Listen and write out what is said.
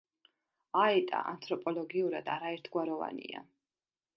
აეტა ანთროპოლოგიურად არაერთგვაროვანია.